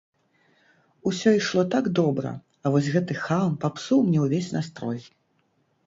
Усё ішло так добра, а вось гэты хам папсуў мне ўвесь настрой!